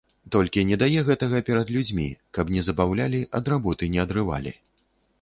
Толькі не дае гэтага перад людзьмі, каб не забаўлялі, ад работы не адрывалі.